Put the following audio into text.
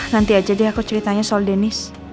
nanti aja deh aku ceritanya soal denis